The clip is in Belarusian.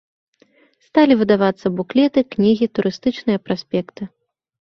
Сталі выдавацца буклеты, кнігі, турыстычныя праспекты.